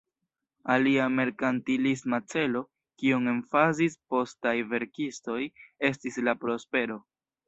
Alia merkantilisma celo, kiun emfazis postaj verkistoj, estis la prospero.